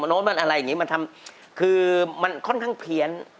โน้นมันอะไรอย่างนี้มันทำคือมันค่อนข้างเพี้ยน